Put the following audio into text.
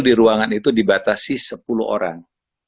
di ruangan itu dibatasi sepuluh orang